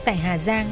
tại hà giang